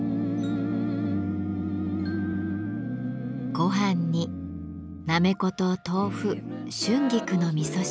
ごはんになめこと豆腐春菊のみそ汁。